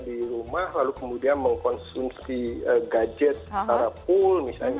di rumah lalu kemudian mengkonsumsi gadget secara pool